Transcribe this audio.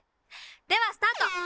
ではスタート！